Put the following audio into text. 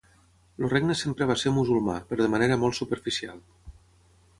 El regne sempre va ser musulmà, però de manera molt superficial.